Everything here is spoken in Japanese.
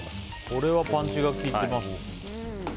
これはパンチが効いてますね。